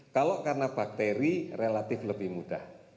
kalau karena bakteri relatif lebih mudah